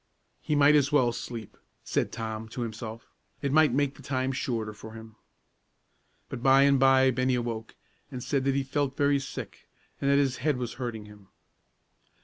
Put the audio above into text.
"He might as well sleep," said Tom, to himself, "it'll make the time shorter for him." But by and by Bennie awoke, and said that he felt very sick, and that his head was hurting him.